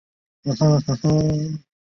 冈部元信长兄。